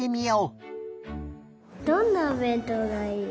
どんなおべんとうがいい？